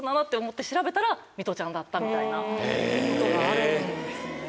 ミトちゃんだったみたいなことがあるんですね。